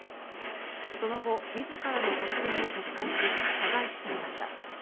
その後、みずからの発言を撤回し、謝罪していました。